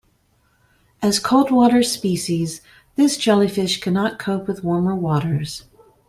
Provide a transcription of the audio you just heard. As coldwater species, this jellyfish cannot cope with warmer waters.